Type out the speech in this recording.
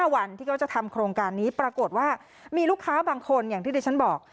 วันที่เขาจะทำโครงการนี้ปรากฏว่ามีลูกค้าบางคนอย่างที่ดิฉันบอก